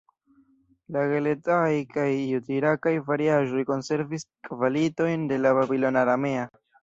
La "gelet-aj" kaj jud-irakaj variaĵoj konservis kvalitojn de la babilona aramea.